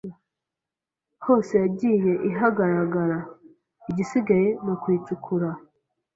hose yagiye ihagaragara igisigaye nukuyicukura